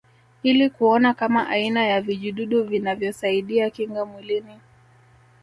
Ili kuona kama aina ya vijidudu vinavyosaidia kinga mwilini